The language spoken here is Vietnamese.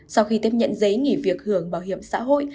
sau khi tiếp nhận giấy nghỉ việc hưởng bảo hiểm xã hội